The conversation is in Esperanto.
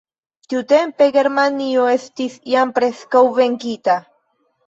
Tiutempe Germanio estis jam preskaŭ venkita.